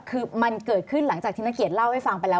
คือมันเกิดขึ้นหลังจากที่นักเกียจเล่าให้ฟังไปแล้ว